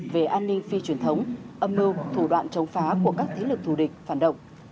về an ninh phi truyền thống âm mưu thủ đoạn chống phá của các thế lực thù địch phản động